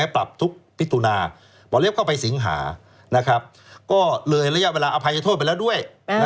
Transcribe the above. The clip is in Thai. ปรับทุกมิถุนาหมอเล็บเข้าไปสิงหาก็เลยระยะเวลาอภัยโทษไปแล้วด้วย